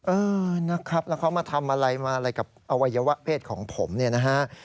เออนะครับแล้วเขามาทำอะไรมาอะไรกับอวัยวะเพศของผมเนี่ยนะฮะ